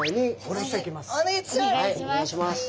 お願いいたします！